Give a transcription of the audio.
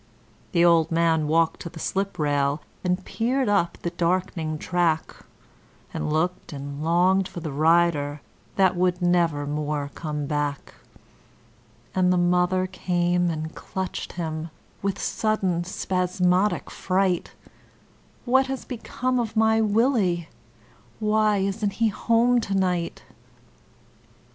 The old man walked to the sliprail, and peered up the dark'ning track, And looked and longed for the rider that would never more come back; And the mother came and clutched him, with sudden, spasmodic fright: 'What has become of my Willie? why isn't he home to night?'